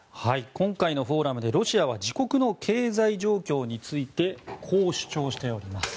今回のフォーラムでロシアは自国の経済状況についてこう主張しております。